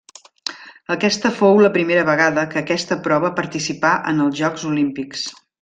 Aquesta fou la primera vegada que aquesta prova participà en els Jocs Olímpics.